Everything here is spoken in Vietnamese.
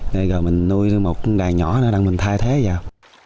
rồi mình nuôi một đàn nhỏ nữa để mình thay thế vào